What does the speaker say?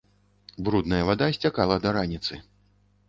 Брудная вада сцякала да раніцы.